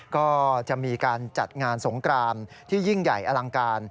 ก็จะมีการจัดงานสงกรานที่ยิ่งใหญ่อลังการ